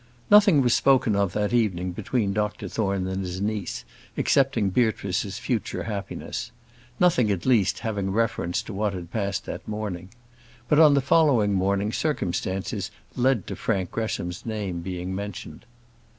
Nothing was spoken of that evening between Dr Thorne and his niece excepting Beatrice's future happiness; nothing, at least, having reference to what had passed that morning. But on the following morning circumstances led to Frank Gresham's name being mentioned.